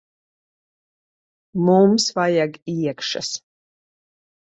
Mums vajag iekšas.